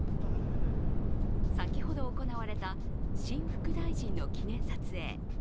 先ほど行われた新・副大臣の記念撮影。